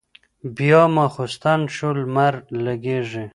بيا ماخستن شو لمر لګېږي